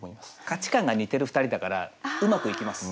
価値観が似てる２人だからうまくいきます。